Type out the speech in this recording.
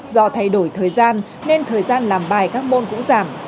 do thay đổi thời gian nên thời gian làm bài các môn cũng giảm